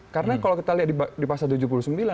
karena kalau kita lihat di pasal tujuh puluh sembilan